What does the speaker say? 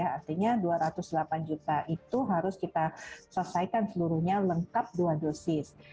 artinya dua ratus delapan juta itu harus kita selesaikan seluruhnya lengkap dua dosis